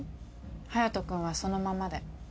隼斗君はそのままで。